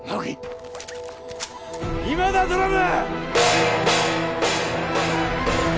今だドラム！